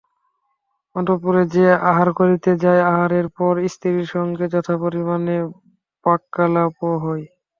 অন্তঃপুরে সে আহার করিতে যায়, আহারের পর স্ত্রীর সঙ্গে যথাপরিমাণে বাক্যালাপও হয়।